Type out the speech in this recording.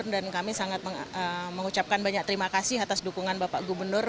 dan kami sangat mengucapkan banyak terima kasih atas dukungan bapak gubernur